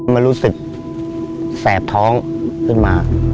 มันรู้สึกแสบท้องขึ้นมา